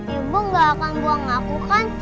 ibu gak akan buang aku kan